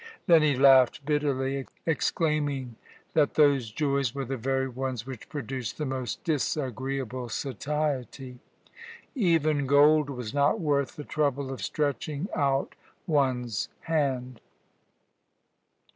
Then he laughed bitterly, exclaiming that those joys were the very ones which produced the most disagreeable satiety. Even gold was not worth the trouble of stretching out one's hand.